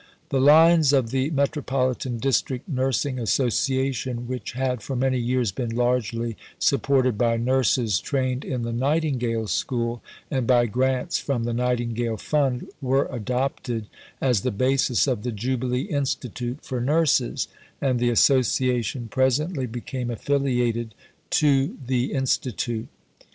The lines of the "Metropolitan District Nursing Association," which had for many years been largely supported by nurses trained in the Nightingale School and by grants from the Nightingale Fund, were adopted as the basis of the "Jubilee Institute for Nurses," and the Association presently became affiliated to the Institute.